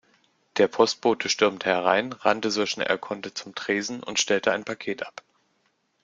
Der Postbote stürmte herein, rannte so schnell er konnte zum Tresen und stellte ein Paket ab.